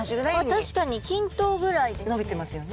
確かに均等ぐらいですね。